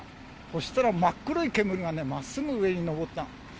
そしたら真っ黒い煙がまっすぐ上に上ったの。